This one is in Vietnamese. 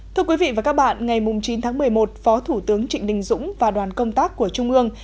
thưa quý vị và các bạn ngày chín tháng một mươi một phó thủ tướng trịnh đình dũng và đoàn công tác của trung ương